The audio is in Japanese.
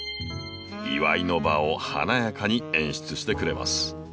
祝いの場を華やかに演出してくれます。